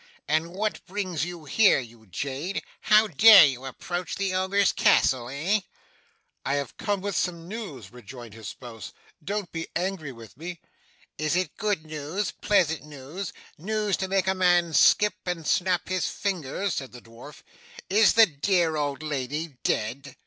'And what brings you here, you jade? How dare you approach the ogre's castle, eh?' 'I have come with some news,' rejoined his spouse. 'Don't be angry with me.' 'Is it good news, pleasant news, news to make a man skip and snap his fingers?' said the dwarf. 'Is the dear old lady dead?